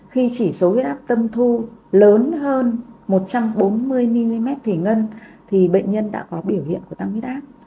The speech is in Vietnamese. khi chỉ số huyết áp tâm thu lớn hơn một trăm bốn mươi mm thủy ngân thì bệnh nhân đã có biểu hiện của tăng huyết áp